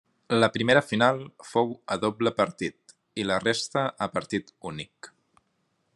La primera final fou a doble partit i la resta a partit únic.